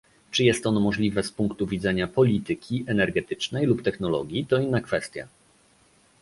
Czy jest ono możliwe z punktu widzenia polityki energetycznej lub technologii, to inna kwestia